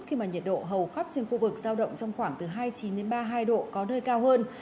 khi mà nhiệt độ hầu khắp trên khu vực giao động trong khoảng từ hai mươi chín đến ba mươi hai độ có nơi cao hơn